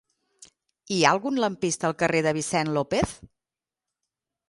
Hi ha algun lampista al carrer de Vicent López?